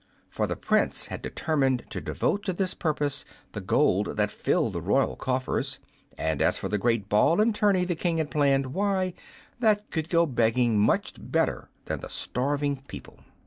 For the Prince had determined to devote to this purpose the gold that filled the royal coffers; and as for the great ball and tourney the King had planned, why, that could go begging much better than the starving people.